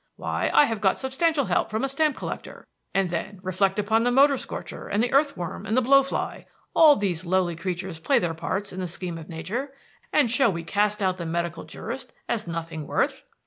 Why, I have got substantial help from a stamp collector. And then reflect upon the motor scorcher and the earthworm and the blow fly. All these lowly creatures play their parts in the scheme of nature; and shall we cast out the medical jurist as nothing worth?"